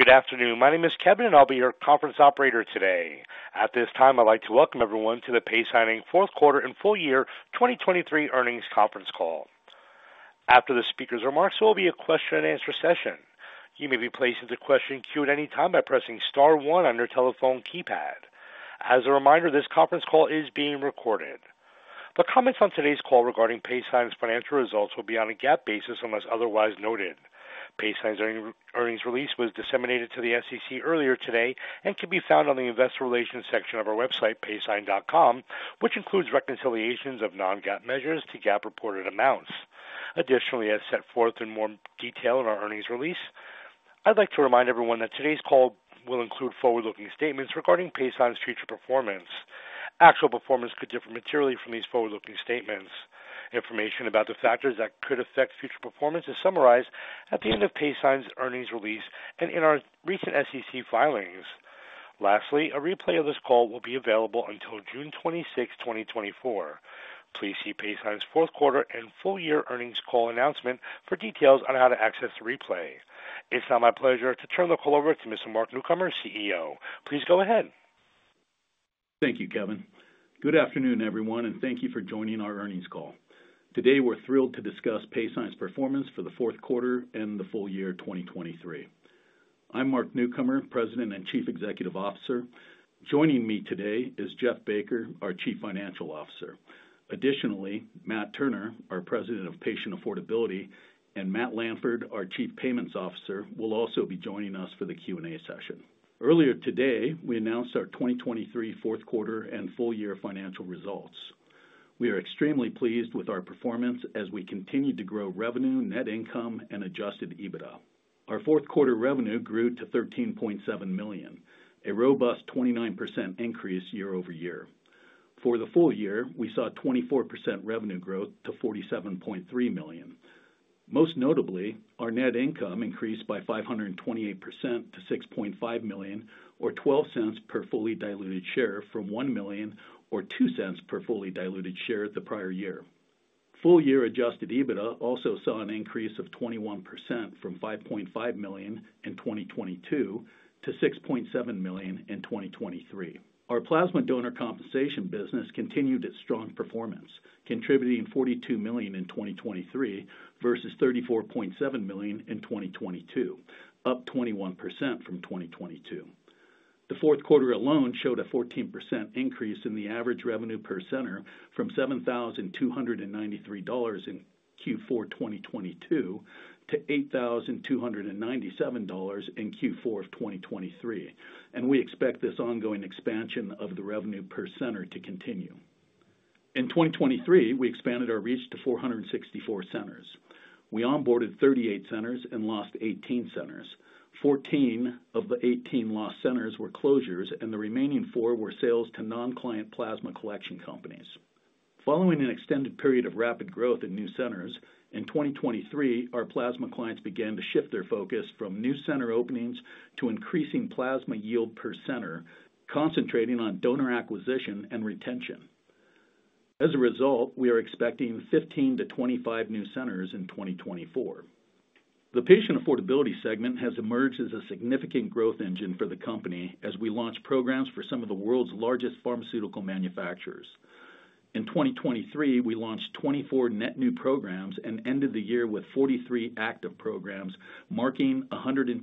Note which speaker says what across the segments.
Speaker 1: Good afternoon. My name is Kevin, and I'll be your conference operator today. At this time, I'd like to welcome everyone to the Paysign fourth quarter and full year 2023 earnings conference call. After the speaker's remarks, there will be a question-and-answer session. You may be placed into question queue at any time by pressing star one on your telephone keypad. As a reminder, this conference call is being recorded. The comments on today's call regarding Paysign's financial results will be on a GAAP basis unless otherwise noted. Paysign's earnings release was disseminated to the SEC earlier today and can be found on the investor relations section of our website, paysign.com, which includes reconciliations of non-GAAP measures to GAAP-reported amounts. Additionally, as set forth in more detail in our earnings release, I'd like to remind everyone that today's call will include forward-looking statements regarding Paysign's future performance. Actual performance could differ materially from these forward-looking statements. Information about the factors that could affect future performance is summarized at the end of Paysign's earnings release and in our recent SEC filings. Lastly, a replay of this call will be available until June 26, 2024. Please see Paysign's fourth quarter and full year earnings call announcement for details on how to access the replay. It's now my pleasure to turn the call over to Mr. Mark Newcomer, CEO. Please go ahead.
Speaker 2: Thank you, Kevin. Good afternoon, everyone, and thank you for joining our earnings call. Today, we're thrilled to discuss Paysign's performance for the fourth quarter and the full year 2023. I'm Mark Newcomer, President and Chief Executive Officer. Joining me today is Jeff Baker, our Chief Financial Officer. Additionally, Matt Turner, our President of Patient Affordability, and Matt Lanford, our Chief Payments Officer, will also be joining us for the Q&A session. Earlier today, we announced our 2023 fourth quarter and full year financial results. We are extremely pleased with our performance as we continue to grow revenue, net income, and adjusted EBITDA. Our fourth quarter revenue grew to $13.7 million, a robust 29% increase year over year. For the full year, we saw 24% revenue growth to $47.3 million. Most notably, our net income increased by 528% to $6.5 million, or $0.12 per fully diluted share from $1 million or $0.02 per fully diluted share the prior year. Full year Adjusted EBITDA also saw an increase of 21% from $5.5 million in 2022 to $6.7 million in 2023. Our plasma donor compensation business continued its strong performance, contributing $42 million in 2023 versus $34.7 million in 2022, up 21% from 2022. The fourth quarter alone showed a 14% increase in the average revenue per center from $7,293 in Q4 2022 to $8,297 in Q4 of 2023, and we expect this ongoing expansion of the revenue per center to continue. In 2023, we expanded our reach to 464 centers. We onboarded 38 centers and lost 18 centers. 14 of the 18 lost centers were closures, and the remaining four were sales to non-client plasma collection companies. Following an extended period of rapid growth in new centers, in 2023, our plasma clients began to shift their focus from new center openings to increasing plasma yield per center, concentrating on donor acquisition and retention. As a result, we are expecting 15-25 new centers in 2024. The patient affordability segment has emerged as a significant growth engine for the company as we launched programs for some of the world's largest pharmaceutical manufacturers. In 2023, we launched 24 net new programs and ended the year with 43 active programs, marking a 126%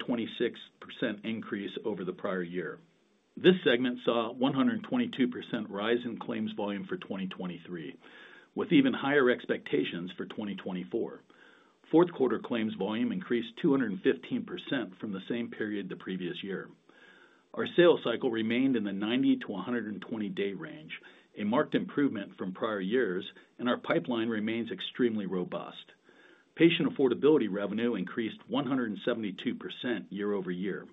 Speaker 2: increase over the prior year. This segment saw a 122% rise in claims volume for 2023, with even higher expectations for 2024. Fourth quarter claims volume increased 215% from the same period the previous year. Our sales cycle remained in the 90-120-day range, a marked improvement from prior years, and our pipeline remains extremely robust. Patient affordability revenue increased 172% year-over-year.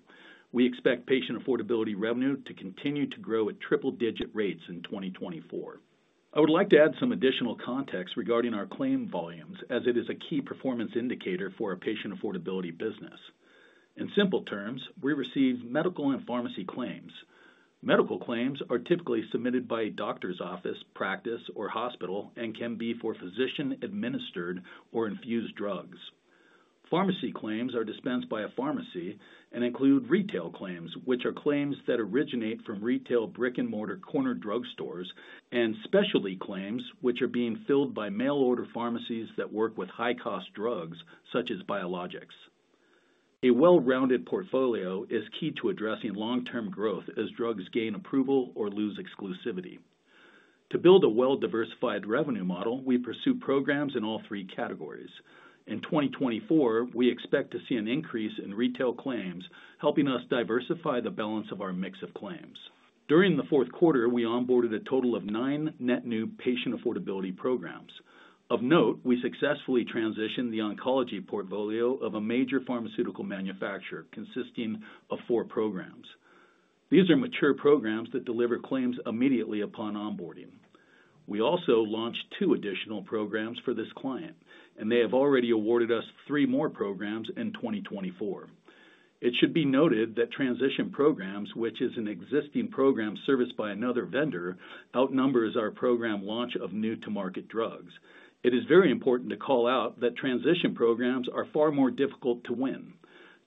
Speaker 2: We expect patient affordability revenue to continue to grow at triple-digit rates in 2024. I would like to add some additional context regarding our claim volumes, as it is a key performance indicator for a patient affordability business. In simple terms, we receive medical and pharmacy claims. Medical claims are typically submitted by a doctor's office, practice, or hospital and can be for physician-administered or infused drugs. Pharmacy claims are dispensed by a pharmacy and include retail claims, which are claims that originate from retail brick-and-mortar corner drug stores, and specialty claims, which are being filled by mail-order pharmacies that work with high-cost drugs such as biologics. A well-rounded portfolio is key to addressing long-term growth as drugs gain approval or lose exclusivity. To build a well-diversified revenue model, we pursue programs in all three categories. In 2024, we expect to see an increase in retail claims, helping us diversify the balance of our mix of claims. During the fourth quarter, we onboarded a total of nine net new patient affordability programs. Of note, we successfully transitioned the oncology portfolio of a major pharmaceutical manufacturer consisting of four programs. These are mature programs that deliver claims immediately upon onboarding. We also launched two additional programs for this client, and they have already awarded us three more programs in 2024. It should be noted that transition programs, which is an existing program serviced by another vendor, outnumbers our program launch of new-to-market drugs. It is very important to call out that transition programs are far more difficult to win.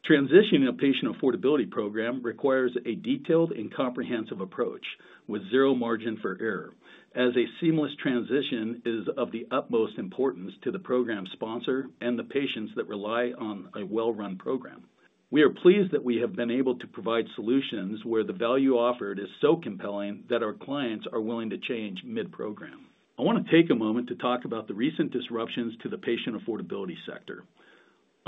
Speaker 2: Transitioning a patient affordability program requires a detailed and comprehensive approach with zero margin for error, as a seamless transition is of the utmost importance to the program sponsor and the patients that rely on a well-run program. We are pleased that we have been able to provide solutions where the value offered is so compelling that our clients are willing to change mid-program. I want to take a moment to talk about the recent disruptions to the patient affordability sector.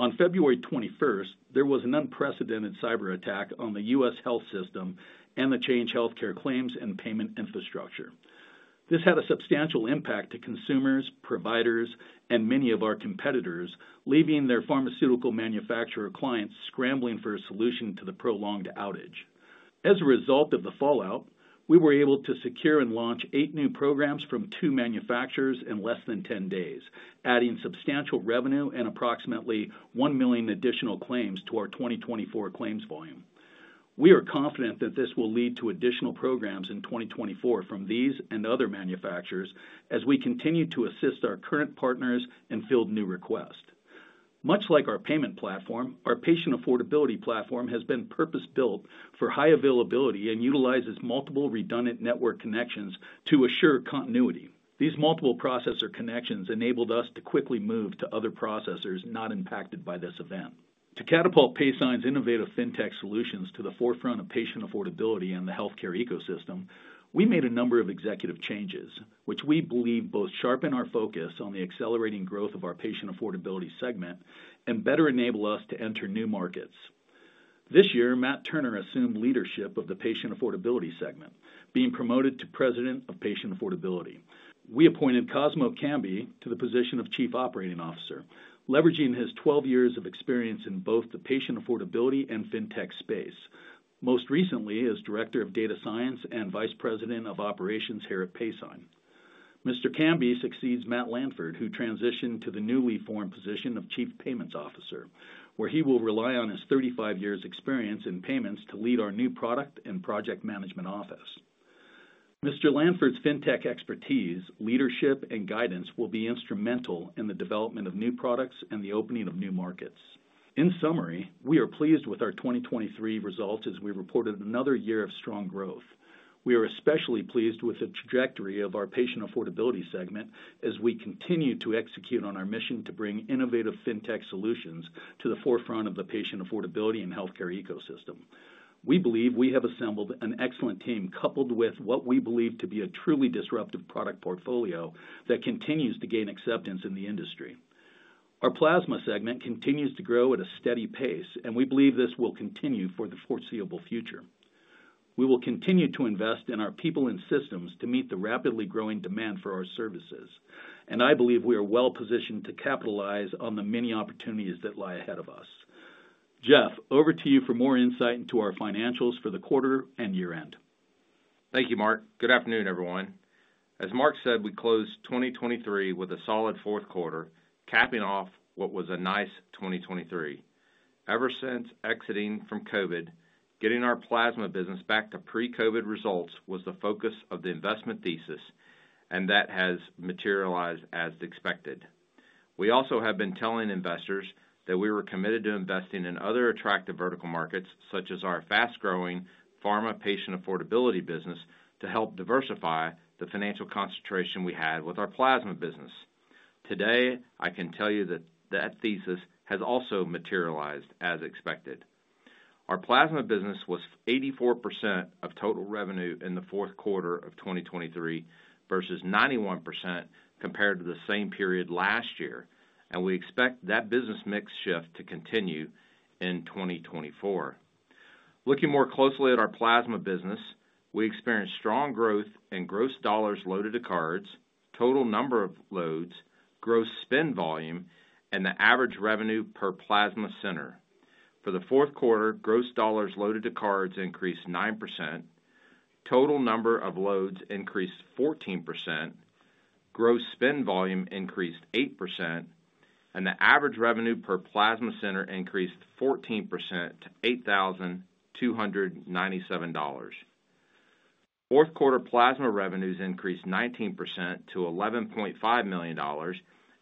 Speaker 2: On February 21st, there was an unprecedented cyberattack on the US health system and the Change Healthcare claims and payment infrastructure. This had a substantial impact to consumers, providers, and many of our competitors, leaving their pharmaceutical manufacturer clients scrambling for a solution to the prolonged outage. As a result of the fallout, we were able to secure and launch eight new programs from two manufacturers in less than ten days, adding substantial revenue and approximately 1,000,000 additional claims to our 2024 claims volume. We are confident that this will lead to additional programs in 2024 from these and other manufacturers as we continue to assist our current partners and field new requests. Much like our payment platform, our patient affordability platform has been purpose-built for high availability and utilizes multiple redundant network connections to assure continuity. These multiple processor connections enabled us to quickly move to other processors not impacted by this event. To catapult Paysign's innovative fintech solutions to the forefront of patient affordability and the healthcare ecosystem, we made a number of executive changes, which we believe both sharpen our focus on the accelerating growth of our patient affordability segment and better enable us to enter new markets. This year, Matt Turner assumed leadership of the patient affordability segment, being promoted to President of Patient Affordability. We appointed Cosmo Currey to the position of Chief Operating Officer, leveraging his 12 years of experience in both the patient affordability and fintech space, most recently as Director of Data Science and Vice President of Operations here at Paysign. Mr. Currey succeeds Matt Lanford, who transitioned to the newly formed position of Chief Payments Officer, where he will rely on his 35 years' experience in payments to lead our new product and project management office. Mr. Lanford's fintech expertise, leadership, and guidance will be instrumental in the development of new products and the opening of new markets. In summary, we are pleased with our 2023 results as we reported another year of strong growth. We are especially pleased with the trajectory of our patient affordability segment as we continue to execute on our mission to bring innovative fintech solutions to the forefront of the patient affordability and healthcare ecosystem. We believe we have assembled an excellent team coupled with what we believe to be a truly disruptive product portfolio that continues to gain acceptance in the industry. Our plasma segment continues to grow at a steady pace, and we believe this will continue for the foreseeable future. We will continue to invest in our people and systems to meet the rapidly growing demand for our services, and I believe we are well-positioned to capitalize on the many opportunities that lie ahead of us. Jeff, over to you for more insight into our financials for the quarter and year-end.
Speaker 3: Thank you, Mark. Good afternoon, everyone. As Mark said, we closed 2023 with a solid fourth quarter, capping off what was a nice 2023. Ever since exiting from COVID, getting our plasma business back to pre-COVID results was the focus of the investment thesis, and that has materialized as expected. We also have been telling investors that we were committed to investing in other attractive vertical markets such as our fast-growing pharma patient affordability business to help diversify the financial concentration we had with our plasma business. Today, I can tell you that that thesis has also materialized as expected. Our plasma business was 84% of total revenue in the fourth quarter of 2023 versus 91% compared to the same period last year, and we expect that business mix shift to continue in 2024. Looking more closely at our plasma business, we experienced strong growth in gross dollars loaded to cards, total number of loads, gross spend volume, and the average revenue per plasma center. For the fourth quarter, gross dollars loaded to cards increased 9%, total number of loads increased 14%, gross spend volume increased 8%, and the average revenue per plasma center increased 14% to $8,297. Fourth quarter plasma revenues increased 19% to $11.5 million,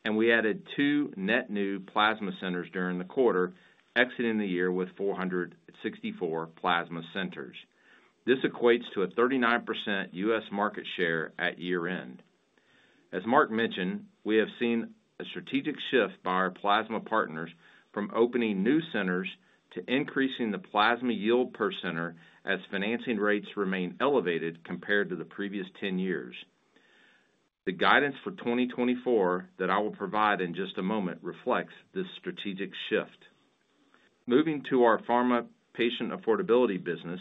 Speaker 3: and we added two net new plasma centers during the quarter, exiting the year with 464 plasma centers. This equates to a 39% U.S. market share at year-end. As Mark mentioned, we have seen a strategic shift by our plasma partners from opening new centers to increasing the plasma yield per center as financing rates remain elevated compared to the previous 10 years. The guidance for 2024 that I will provide in just a moment reflects this strategic shift. Moving to our pharma patient affordability business,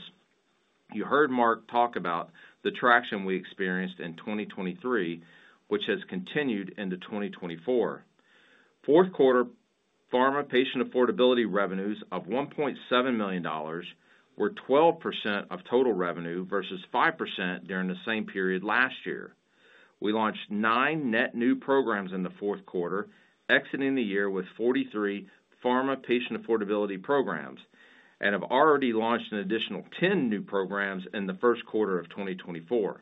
Speaker 3: you heard Mark talk about the traction we experienced in 2023, which has continued into 2024. Fourth quarter pharma patient affordability revenues of $1.7 million were 12% of total revenue versus 5% during the same period last year. We launched nine net new programs in the fourth quarter, exiting the year with 43 pharma patient affordability programs, and have already launched an additional 10 new programs in the first quarter of 2024.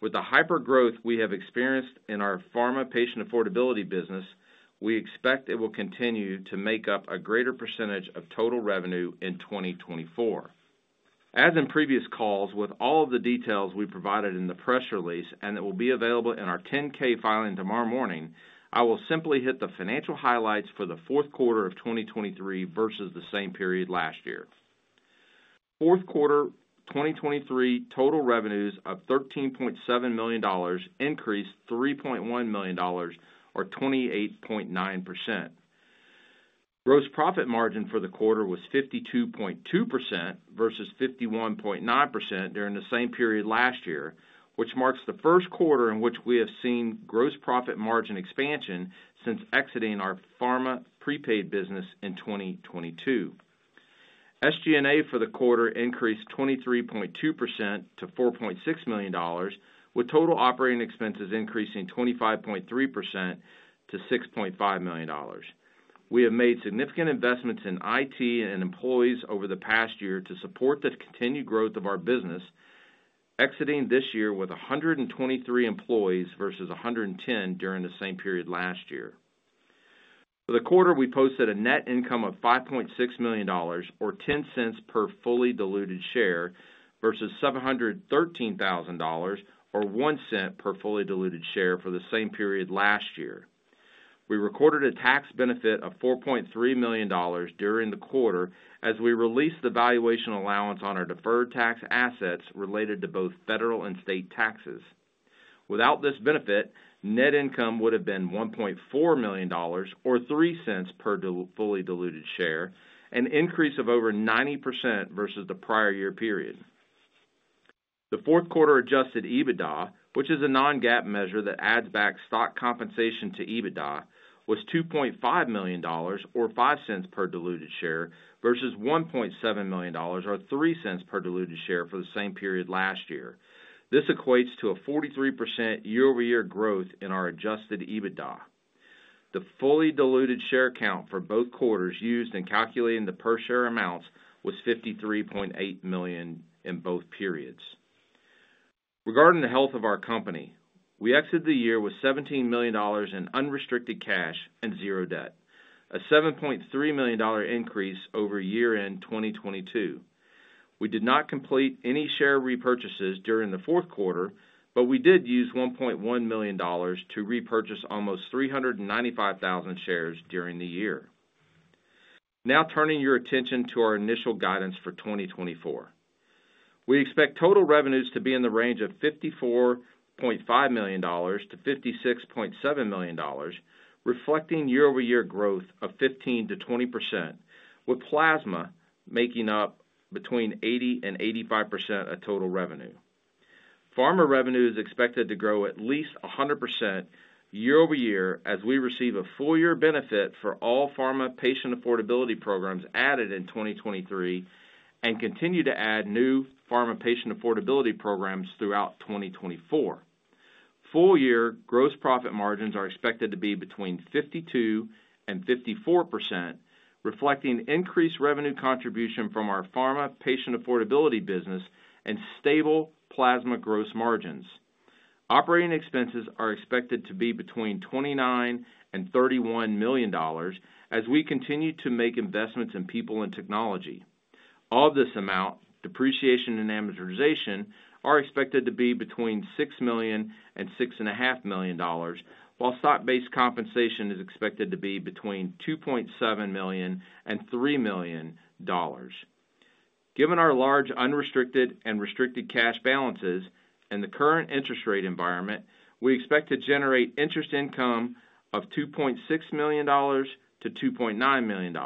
Speaker 3: With the hyper-growth we have experienced in our pharma patient affordability business, we expect it will continue to make up a greater percentage of total revenue in 2024. As in previous calls, with all of the details we provided in the press release and that will be available in our 10-K filing tomorrow morning, I will simply hit the financial highlights for the fourth quarter of 2023 versus the same period last year. Fourth quarter 2023 total revenues of $13.7 million increased $3.1 million, or 28.9%. Gross profit margin for the quarter was 52.2% versus 51.9% during the same period last year, which marks the first quarter in which we have seen gross profit margin expansion since exiting our pharma prepaid business in 2022. SG&A for the quarter increased 23.2% to $4.6 million, with total operating expenses increasing 25.3% to $6.5 million. We have made significant investments in IT and employees over the past year to support the continued growth of our business, exiting this year with 123 employees versus 110 during the same period last year. For the quarter, we posted a net income of $5.6 million, or 10 cents per fully diluted share, versus $713,000, or one cent per fully diluted share for the same period last year. We recorded a tax benefit of $4.3 million during the quarter as we released the valuation allowance on our deferred tax assets related to both federal and state taxes. Without this benefit, net income would have been $1.4 million, or three cents per fully diluted share, an increase of over 90% versus the prior year period. The fourth quarter adjusted EBITDA, which is a non-GAAP measure that adds back stock compensation to EBITDA, was $2.5 million, or five cents per diluted share, versus $1.7 million, or three cents per diluted share for the same period last year. This equates to a 43% year-over-year growth in our adjusted EBITDA. The fully diluted share count for both quarters used in calculating the per-share amounts was 53.8 million in both periods. Regarding the health of our company, we exited the year with $17 million in unrestricted cash and zero debt, a $7.3 million increase over year-end 2022. We did not complete any share repurchases during the fourth quarter, but we did use $1.1 million to repurchase almost 395,000 shares during the year. Now turning your attention to our initial guidance for 2024. We expect total revenues to be in the range of $54.5 million-$56.7 million, reflecting year-over-year growth of 15%-20%, with plasma making up between 80% and 85% of total revenue. Pharma revenue is expected to grow at least 100% year-over-year as we receive a full-year benefit for all pharma patient affordability programs added in 2023 and continue to add new pharma patient affordability programs throughout 2024. Full-year gross profit margins are expected to be between 52%-54%, reflecting increased revenue contribution from our pharma patient affordability business and stable plasma gross margins. Operating expenses are expected to be between $29-$31 million as we continue to make investments in people and technology. Of this amount, depreciation and amortization are expected to be between $6 million-$6.5 million, while stock-based compensation is expected to be between $2.7 million-$3 million. Given our large unrestricted and restricted cash balances and the current interest rate environment, we expect to generate interest income of $2.6 million-$2.9 million.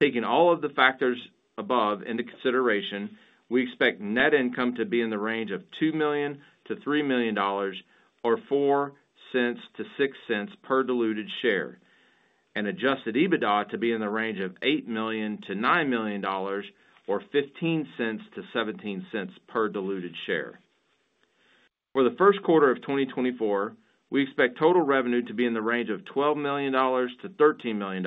Speaker 3: Taking all of the factors above into consideration, we expect net income to be in the range of $2 million-$3 million, or $0.04-$0.06 per diluted share, and adjusted EBITDA to be in the range of $8 million-$9 million, or $0.15-$0.17 per diluted share. For the first quarter of 2024, we expect total revenue to be in the range of $12 million-$13 million,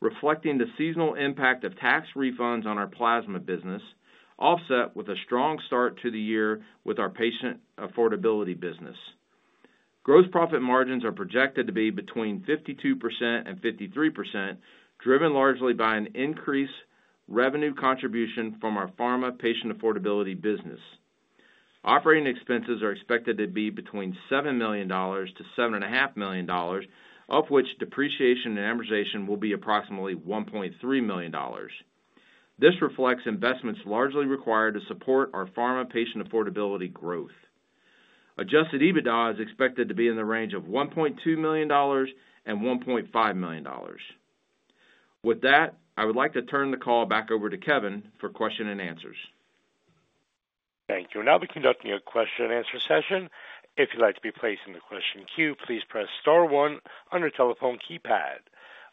Speaker 3: reflecting the seasonal impact of tax refunds on our plasma business, offset with a strong start to the year with our patient affordability business. Gross profit margins are projected to be between 52%-53%, driven largely by an increased revenue contribution from our pharma patient affordability business. Operating expenses are expected to be between $7 million-$7.5 million, of which depreciation and amortization will be approximately $1.3 million. This reflects investments largely required to support our pharma patient affordability growth. Adjusted EBITDA is expected to be in the range of $1.2 million-$1.5 million. With that, I would like to turn the call back over to Kevin for question and answers.
Speaker 1: Thank you. Now we're conducting a question and answer session. If you'd like to be placed in the question queue, please press star one on your telephone keypad.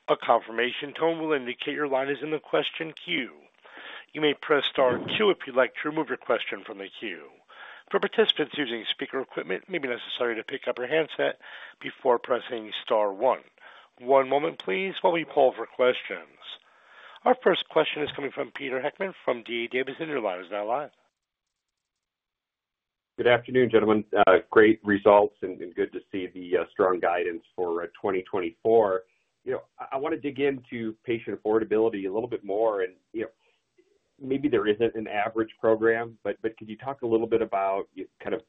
Speaker 1: A confirmation tone will indicate your line is in the question queue. You may press star two if you'd like to remove your question from the queue. For participants using speaker equipment, it may be necessary to pick up your handset before pressing star one. One moment, please, while we pull up our questions. Our first question is coming from Peter Heckman from D.A. Davidson. Your line is now live.
Speaker 4: Good afternoon, gentlemen. Great results and good to see the strong guidance for 2024. I want to dig into patient affordability a little bit more, and maybe there isn't an average program, could you talk a little bit about kind of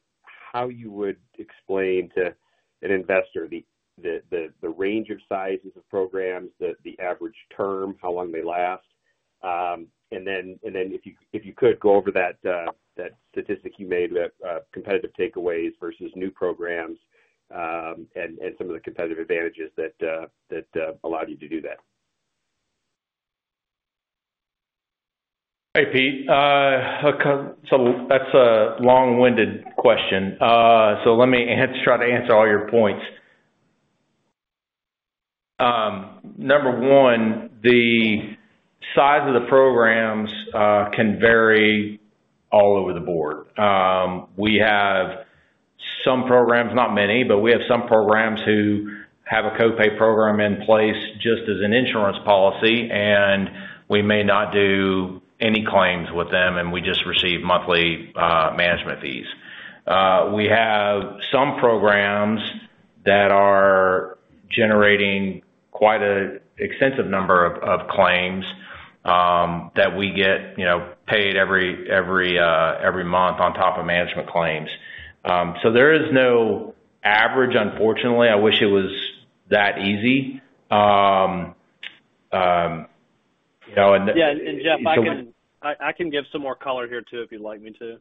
Speaker 4: how you would explain to an investor the range of sizes of programs, the average term, how long they last, then if you could, go over that statistic you made about competitive takeaways versus new programs and some of the competitive advantages that allowed you to do that.
Speaker 5: Hey, Pete. That's a long-winded question, let me try to answer all your points. Number one, the size of the programs can vary all over the board. We have some programs—not many—but we have some programs who have a copay program in place just as an insurance policy, and we may not do any claims with them, and we just receive monthly management fees. We have some programs that are generating quite an extensive number of claims that we get paid every month on top of management claims. So there is no average, unfortunately. I wish it was that easy.
Speaker 3: Yeah. Jeff, I can give some more color here too if you'd like me to.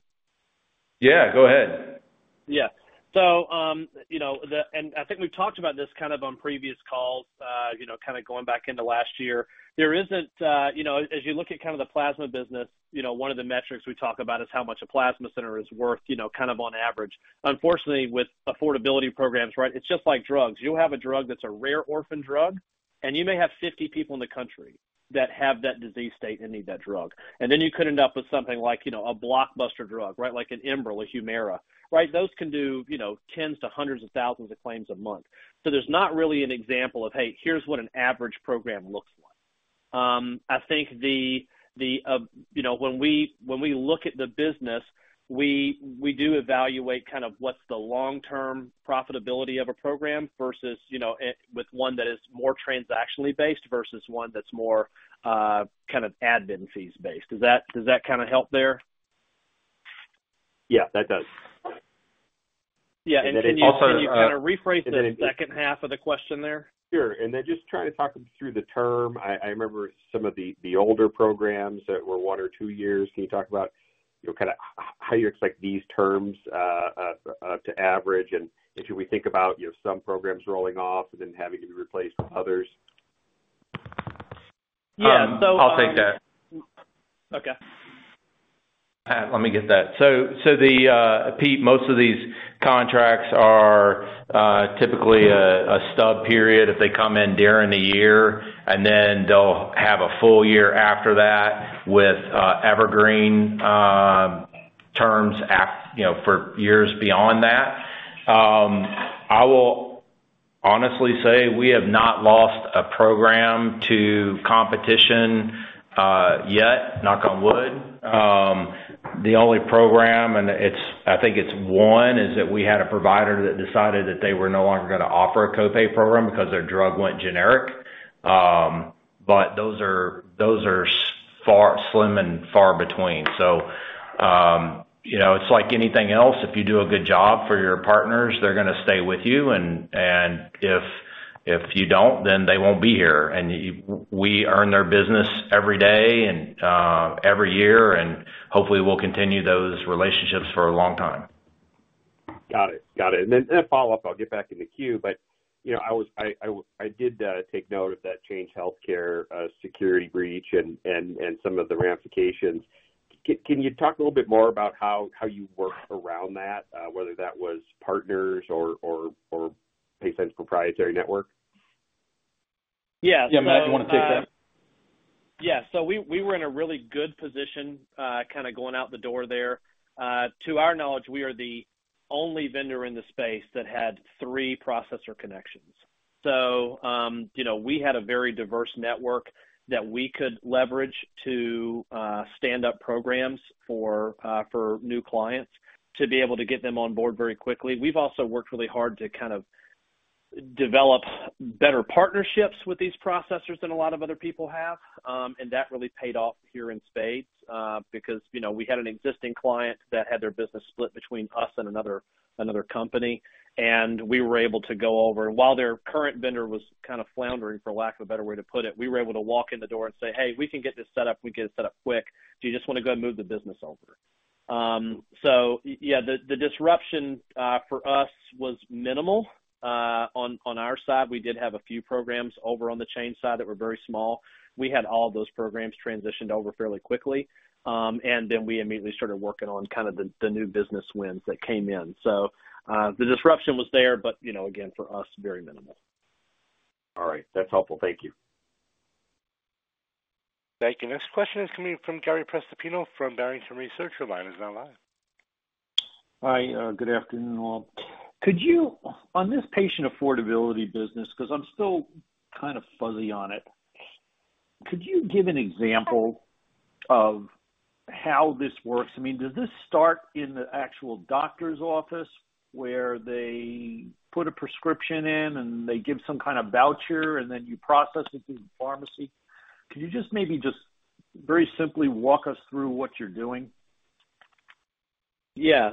Speaker 4: Yeah. Go ahead.
Speaker 3: Yeah. I think we've talked about this kind of on previous calls, kind of going back into last year. There isn't, as you look at kind of the plasma business, one of the metrics we talk about is how much a plasma center is worth kind of on average. Unfortunately, with affordability programs, right, it's just like drugs. You'll have a drug that's a rare orphan drug, and you may have 50 people in the country that have that disease state and need that drug. And then you could end up with something like a blockbuster drug, right, like an Imbruvica, a Humira, right? Those can do 10s-100s of thousands of claims a month. There's not really an example of, "Hey, here's what an average program looks like." I think when we look at the business, we do evaluate kind of what's the long-term profitability of a program versus with one that is more transactionally based versus one that's more kind of admin fees-based. Does that kind of help there?
Speaker 4: Yeah. That does.
Speaker 3: Yeah. And can you kind of rephrase the second half of the question there?
Speaker 4: Sure. Just trying to talk them through the term. I remember some of the older programs that were one or two years. Can you talk about kind of how you expect these terms to average and should we think about some programs rolling off and then having to be replaced with others?
Speaker 5: Yeah. So I'll take that.
Speaker 3: Okay Let me get that. Pete, most of these contracts are typically a stub period if they come in during the year, and then they'll have a full year after that with evergreen terms for years beyond that. I will honestly say we have not lost a program to competition yet, knock on wood. The only program, and I think it's one, is that we had a provider that decided that they were no longer going to offer a copay program because their drug went generic. Those are slim and far between. It's like anything else. If you do a good job for your partners, they're going to stay with you, and if you don't, then they won't be here. We earn their business every day and every year, and hopefully, we'll continue those relationships for a long time.
Speaker 4: Got it. Got it. Then a follow-up. I'll get back in the queue, but I did take note of that Change Healthcare security breach and some of the ramifications. Can you talk a little bit more about how you worked around that, whether that was partners or Paysign's proprietary network?
Speaker 3: Yeah. Yeah. Matt, do you want to take that?
Speaker 5: Yeah. We were in a really good position kind of going out the door there. To our knowledge, we are the only vendor in the space that had three processor connections. We had a very diverse network that we could leverage to stand up programs for new clients to be able to get them on board very quickly. We've also worked really hard to kind of develop better partnerships with these processors than a lot of other people have, and that really paid off here in spades because we had an existing client that had their business split between us and another company, and we were able to go over while their current vendor was kind of floundering, for lack of a better way to put it, we were able to walk in the door and say, "Hey, we can get this set up. We can get it set up quick. Do you just want to go ahead and move the business over?" Yeah, the disruption for us was minimal on our side. We did have a few programs over on the Change side that were very small. We had all of those programs transitioned over fairly quickly, and then we immediately started working on kind of the new business wins that came in. The disruption was there, but again, for us, very minimal.
Speaker 4: All right. That's helpful. Thank you.
Speaker 1: Thank you. Next question is coming from Gary Prestopino from Barrington Research. Your line is now live.
Speaker 6: Hi. Good afternoon, all. On this patient affordability business because I'm still kind of fuzzy on it, could you give an example of how this works? I mean, does this start in the actual doctor's office where they put a prescription in, and they give some kind of voucher, and then you process it through the pharmacy? Can you just maybe just very simply walk us through what you're doing?
Speaker 5: Yeah.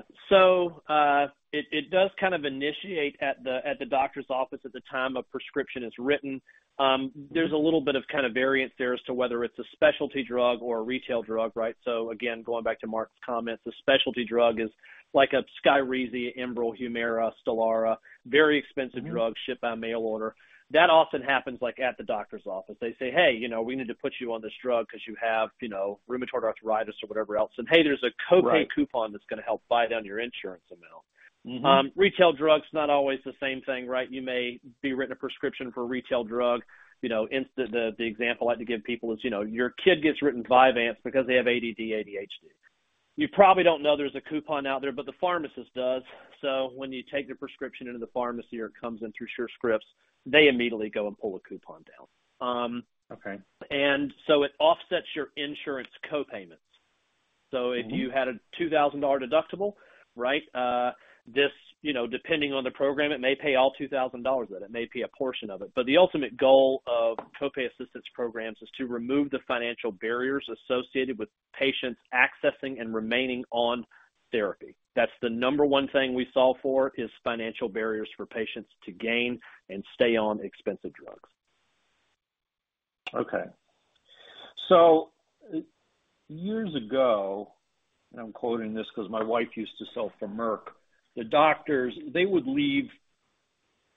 Speaker 5: It does kind of initiate at the doctor's office at the time a prescription is written. There's a little bit of kind of variance there as to whether it's a specialty drug or a retail drug, right? Again, going back to Mark's comments, a specialty drug is like a Skyrizi, Imbruvica, Humira, Stelara, very expensive drug shipped by mail order. That often happens at the doctor's office. They say, "Hey, we need to put you on this drug because you have rheumatoid arthritis or whatever else." "Hey, there's a copay coupon that's going to help buy down your insurance amount." Retail drugs, not always the same thing, right? You may be written a prescription for a retail drug. The example I like to give people is your kid gets written Vyvanse because they have ADD, ADHD. You probably don't know there's a coupon out there, but the pharmacist does. When you take the prescription into the pharmacy or it comes in through Surescripts, they immediately go and pull a coupon down. It offsets your insurance copayments. If you had a $2,000 deductible, right, depending on the program, it may pay all $2,000 of it. It may pay a portion of it. The ultimate goal of copay assistance programs is to remove the financial barriers associated with patients accessing and remaining on therapy. That's the number one thing we solve for, is financial barriers for patients to gain and stay on expensive drugs.
Speaker 6: Okay. Years ago, and I'm quoting this because my wife used to sell for Merck, the doctors, they would leave,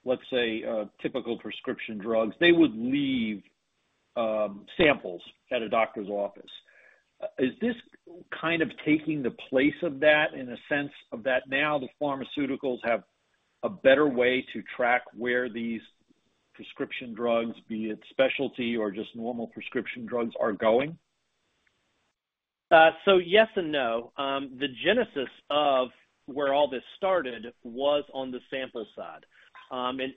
Speaker 6: let's say, typical prescription drugs. They would leave samples at a doctor's office. Is this kind of taking the place of that in a sense of that now the pharmaceuticals have a better way to track where these prescription drugs, be it specialty or just normal prescription drugs, are going?
Speaker 5: Yes and no. The genesis of where all this started was on the sample side.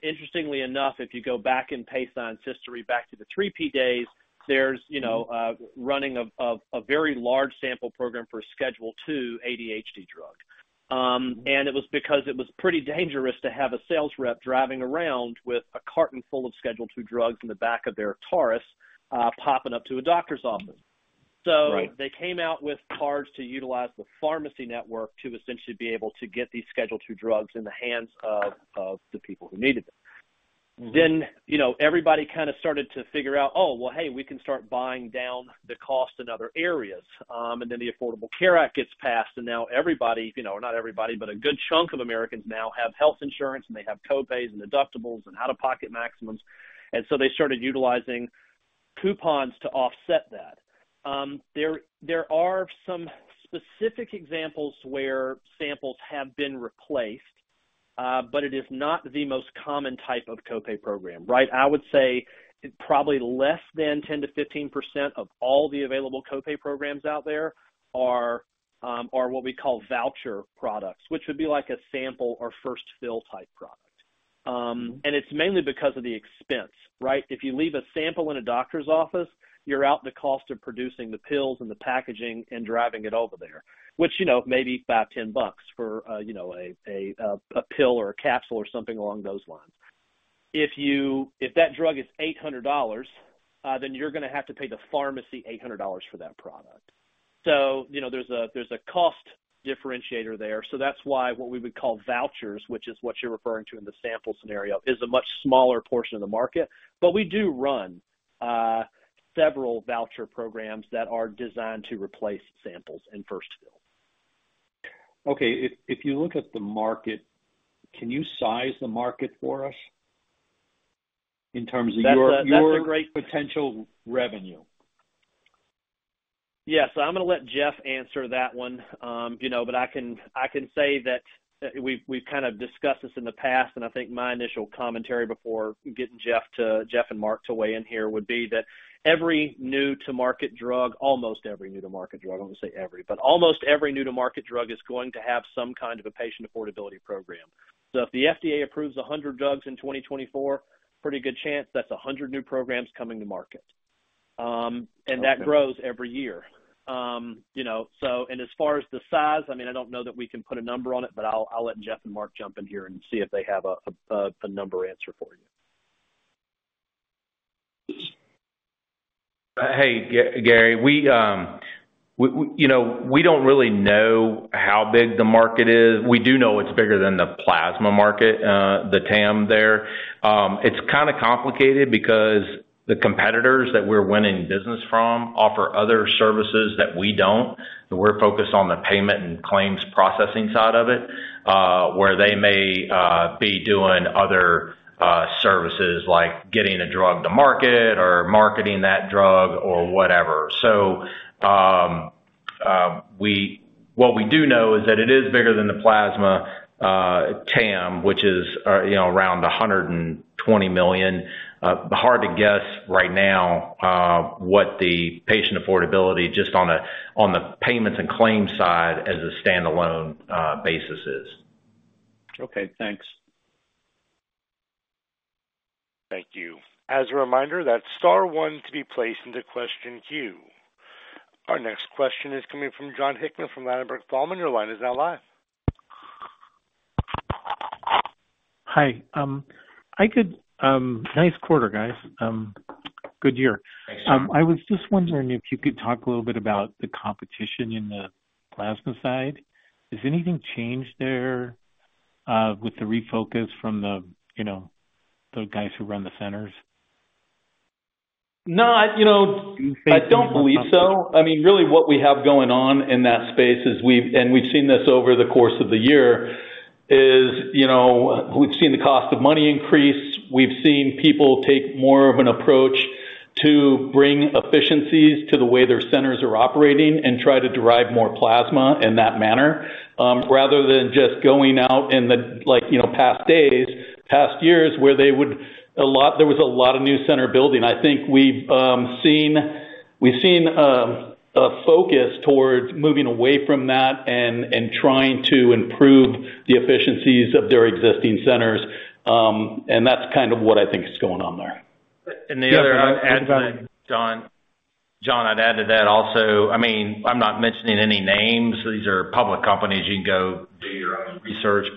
Speaker 5: Interestingly enough, if you go back in Paysign's history, back to the 3PEA days, there was running a very large sample program for a Schedule II ADHD drug. It was because it was pretty dangerous to have a sales rep driving around with a carton full of Schedule II drugs in the back of their Taurus popping up to a doctor's office. They came out with cards to utilize the pharmacy network to essentially be able to get these Schedule II drugs in the hands of the people who needed them. Then everybody kind of started to figure out, "Oh, well, hey, we can start buying down the cost in other areas." And then the Affordable Care Act gets passed, and now everybody - or not everybody, but a good chunk of Americans - now have health insurance, and they have copays and deductibles and out-of-pocket maximums. They started utilizing coupons to offset that. There are some specific examples where samples have been replaced, but it is not the most common type of copay program, right? I would say probably less than 10%-15% of all the available copay programs out there are what we call voucher products, which would be like a sample or first-fill type product. It's mainly because of the expense, right? If you leave a sample in a doctor's office, you're out the cost of producing the pills and the packaging and driving it over there, which may be $5-$10 for a pill or a capsule or something along those lines. If that drug is $800, then you're going to have to pay the pharmacy $800 for that product. There's a cost differentiator there. That's why what we would call vouchers, which is what you're referring to in the sample scenario, is a much smaller portion of the market. We do run several voucher programs that are designed to replace samples and first-fill.
Speaker 6: Okay. If you look at the market, can you size the market for us in terms of your potential revenue?
Speaker 5: Yes. I'm going to let Jeff answer that one, but I can say that we've kind of discussed this in the past, and I think my initial commentary before getting Jeff and Mark to weigh in here would be that every new-to-market drug, almost every new-to-market drug, I won't say every, but almost every new-to-market drug, is going to have some kind of a patient affordability program. If the FDA approves 100 drugs in 2024, pretty good chance that's 100 new programs coming to market, and that grows every year. As far as the size, I mean, I don't know that we can put a number on it, but I'll let Jeff and Mark jump in here and see if they have a number answer for you.
Speaker 3: Hey, Gary. We don't really know how big the market is. We do know it's bigger than the plasma market, the TAM there. It's kind of complicated because the competitors that we're winning business from offer other services that we don't. We're focused on the payment and claims processing side of it, where they may be doing other services like getting a drug to market or marketing that drug or whatever. What we do know is that it is bigger than the plasma TAM, which is around $120 million. Hard to guess right now what the patient affordability just on the payments and claims side as a standalone basis is.
Speaker 6: Okay. Thanks.
Speaker 1: Thank you. As a reminder, that's star one to be placed into the question queue. Our next question is coming from John Hickman from Ladenburg Thalmann. Your line is now live.
Speaker 7: Hi. Nice quarter, guys. Good year. I was just wondering if you could talk a little bit about the competition in the plasma side. Has anything changed there with the refocus from the guys who run the centers?
Speaker 5: No. I don't believe so. I mean, really, what we have going on in that space is we've seen this over the course of the year. We've seen the cost of money increase. We've seen people take more of an approach to bring efficiencies to the way their centers are operating and try to derive more plasma in that manner rather than just going out in the past days, past years where there was a lot of new center building. I think we've seen a focus towards moving away from that and trying to improve the efficiencies of their existing centers. That's kind of what I think is going on there.
Speaker 3: To add to that, John, I'd add to that also. I mean, I'm not mentioning any names. These are public companies. You can go do your own research.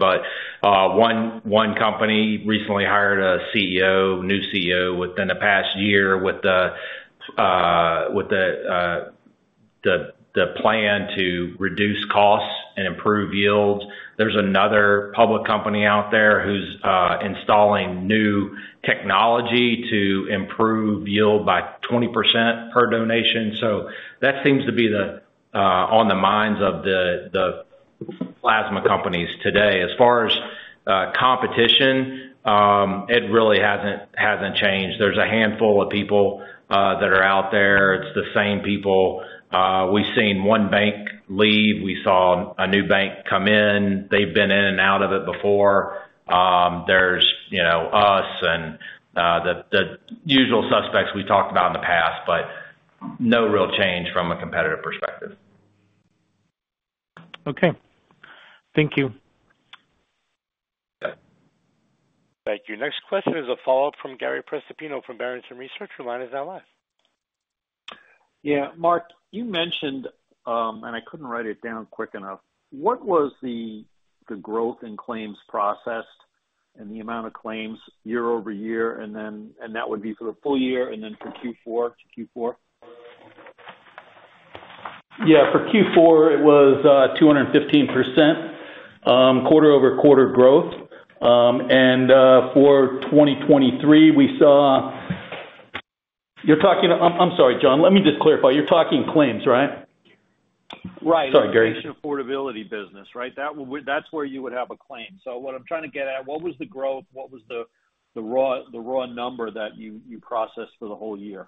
Speaker 3: One company recently hired a new CEO within the past year with the plan to reduce costs and improve yields. There's another public company out there who's installing new technology to improve yield by 20% per donation. That seems to be on the minds of the plasma companies today. As far as competition, it really hasn't changed. There's a handful of people that are out there. It's the same people. We've seen one bank leave. We saw a new bank come in. They've been in and out of it before. There's us and the usual suspects we talked about in the past, but no real change from a competitive perspective.
Speaker 7: Okay. Thank you.
Speaker 1: Thank you. Next question is a follow-up from Gary Prestopino from Barrington Research. Your line is now live.
Speaker 6: Yeah. Mark, you mentioned - and I couldn't write it down quick enough - what was the growth in claims processed and the amount of claims year-over-year? That would be for the full year and then for Q4?
Speaker 2: Yeah. For Q4, it was 215% quarter-over-quarter growth. And for 2023, we saw. You're talking to—I'm sorry, John. Let me just clarify. You're talking claims, right?
Speaker 5: Right.
Speaker 2: Sorry, Gary.
Speaker 8: Patient affordability business, right? That's where you would have a claim. What I'm trying to get at, what was the growth? What was the raw number that you processed for the whole year?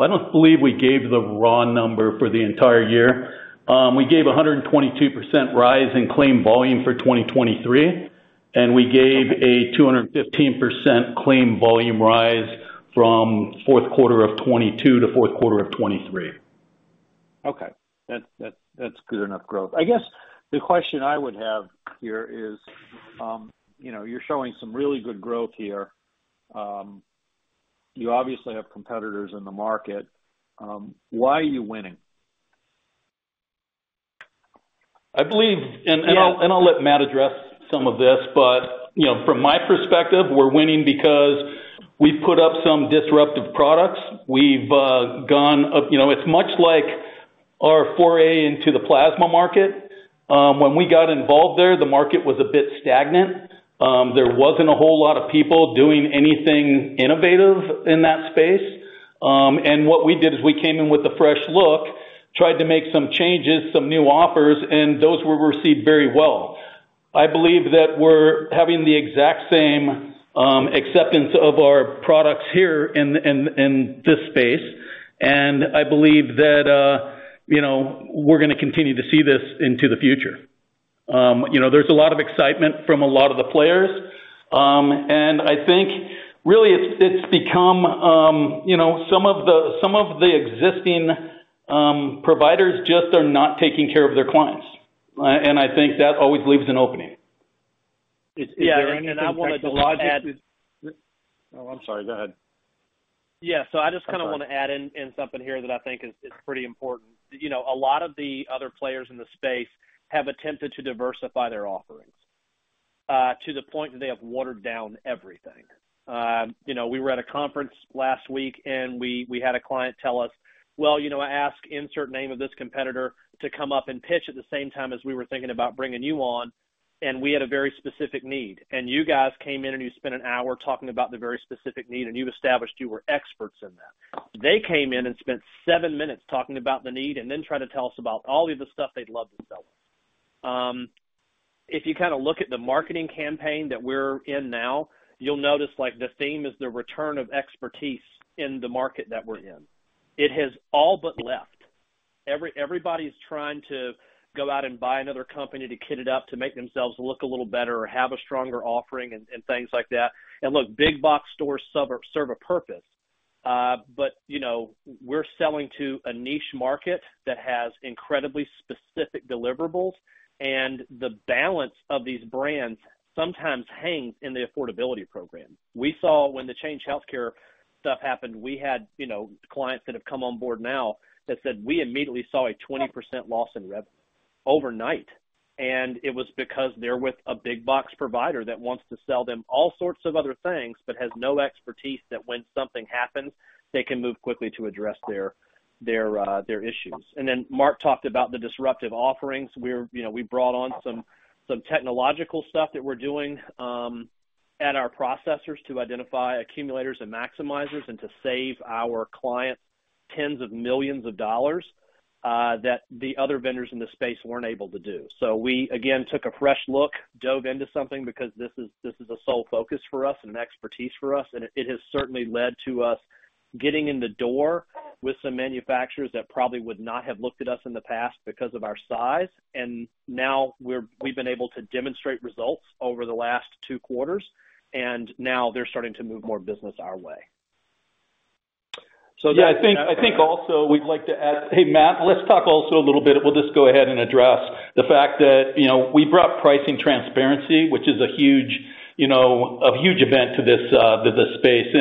Speaker 6: I don't believe we gave the raw number for the entire year. We gave a 122% rise in claim volume for 2023, and we gave a 215% claim volume rise from fourth quarter of 2022 to fourth quarter of 2023.
Speaker 7: Okay. That's good enough growth. I guess the question I would have here is you're showing some really good growth here. You obviously have competitors in the market. Why are you winning? I'll let Matt address some of this. From my perspective, we're winning because we've put up some disruptive products. We've gone up, it's much like our foray into the plasma market. When we got involved there, the market was a bit stagnant. There wasn't a whole lot of people doing anything innovative in that space. What we did is we came in with a fresh look, tried to make some changes, some new offers, and those were received very well. I believe that we're having the exact same acceptance of our products here in this space, and I believe that we're going to continue to see this into the future. There's a lot of excitement from a lot of the players. I think, really, it's become some of the existing providers just are not taking care of their clients. I think that always leaves an opening.
Speaker 3: Is there anything I wanted to add?
Speaker 5: I wanted to logically.
Speaker 3: Oh, I'm sorry. Go ahead.
Speaker 7: Yeah. I just kind of want to add in something here that I think is pretty important. A lot of the other players in the space have attempted to diversify their offerings to the point that they have watered down everything. We were at a conference last week, and we had a client tell us, "Well, I asked insert name of this competitor to come up and pitch at the same time as we were thinking about bringing you on, and we had a very specific need. You guys came in, and you spent an hour talking about the very specific need, and you established you were experts in that." They came in and spent 7 minutes talking about the need and then tried to tell us about all of the stuff they'd love to sell us. If you kind of look at the marketing campaign that we're in now, you'll notice the theme is the return of expertise in the market that we're in. It has all but left. Everybody's trying to go out and buy another company to kit it up to make themselves look a little better or have a stronger offering and things like that. Look, big box stores serve a purpose, but we're selling to a niche market that has incredibly specific deliverables, and the balance of these brands sometimes hangs in the affordability program. We saw when the Change Healthcare stuff happened, we had clients that have come on board now that said, "We immediately saw a 20% loss in revenue overnight." It was because they're with a big box provider that wants to sell them all sorts of other things but has no expertise that when something happens, they can move quickly to address their issues. Then Mark talked about the disruptive offerings. We brought on some technological stuff that we're doing at our processors to identify accumulators and maximizers and to save our clients $ tens of millions that the other vendors in the space weren't able to do. We, again, took a fresh look, dove into something because this is a sole focus for us and an expertise for us. It has certainly led to us getting in the door with some manufacturers that probably would not have looked at us in the past because of our size. Now, we've been able to demonstrate results over the last two quarters, and now, they're starting to move more business our way. So yeah.
Speaker 6: Yeah. I think also we'd like to add, hey, Matt, let's talk also a little bit. We'll just go ahead and address the fact that we brought pricing transparency, which is a huge event to this space.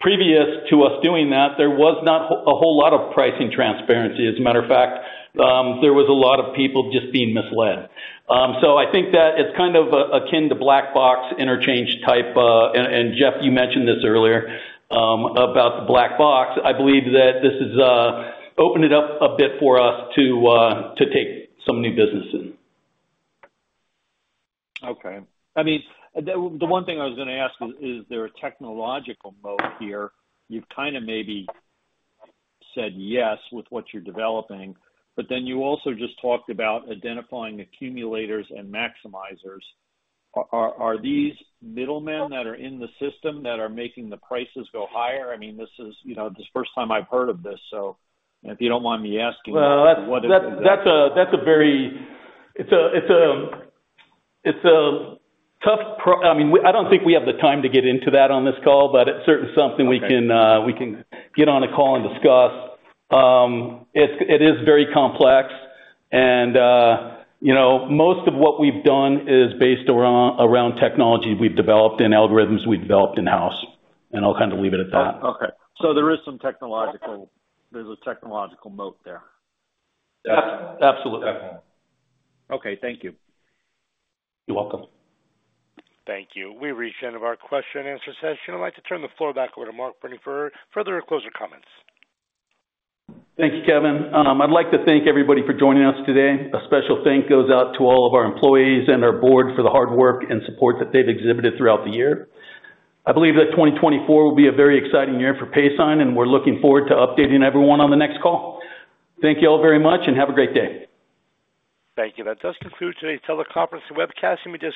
Speaker 6: Previous to us doing that, there was not a whole lot of pricing transparency. As a matter of fact, there was a lot of people just being misled. I think that it's kind of akin to black box interchange type. Jeff, you mentioned this earlier about the black box. I believe that this has opened it up a bit for us to take some new business in.
Speaker 4: Okay. I mean, the one thing I was going to ask is there a technological moat here? You've kind of maybe said yes with what you're developing, but then you also just talked about identifying accumulators and maximizers. Are these middlemen that are in the system that are making the prices go higher? I mean, this is the first time I've heard of this, so if you don't mind me asking, what is the reason?
Speaker 6: Well, it's a very tough. I mean, I don't think we have the time to get into that on this call, but it's certainly something we can get on a call and discuss. It is very complex, and most of what we've done is based around technology we've developed and algorithms we've developed in-house. I'll kind of leave it at that.
Speaker 4: Okay. There is some technological moat there.
Speaker 6: Absolutely.
Speaker 3: Definitely. Okay. Thank you.
Speaker 4: You're welcome.
Speaker 3: Thank you. We reached the end of our question-and-answer session. I'd like to turn the floor back over to Mark Newcomer for further or closer comments.
Speaker 6: Thank you, Kevin. I'd like to thank everybody for joining us today. A special thank goes out to all of our employees and our board for the hard work and support that they've exhibited throughout the year. I believe that 2024 will be a very exciting year for Paysign, and we're looking forward to updating everyone on the next call. Thank you all very much, and have a great day.
Speaker 3: Thank you. That does conclude today's teleconference and webcast. You may.